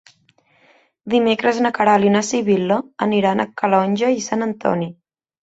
Dimecres na Queralt i na Sibil·la aniran a Calonge i Sant Antoni.